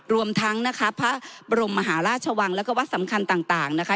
รวมทั้งนะคะพระบรมมหาราชวังแล้วก็วัดสำคัญต่างนะคะ